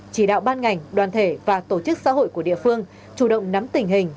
chỉ đạo ban ngành đoàn thể và tổ chức xã hội của địa phương chủ động nắm tình hình